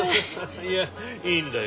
いやいいんだよ。